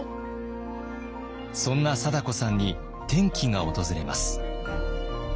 そんな貞子さんに転機が訪れます。